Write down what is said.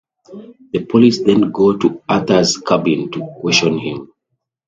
The police then go to Arthur's cabin to question him.